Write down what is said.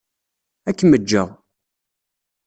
Ad kem-jjeɣ.